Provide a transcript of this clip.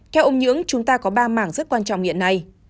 theo ông nhưỡng chúng ta có ba mảng rất quan trọng hiện nay